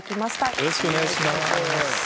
よろしくお願いします。